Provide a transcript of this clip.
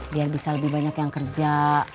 biar bisa lebih banyak yang kerja